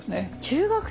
中学生！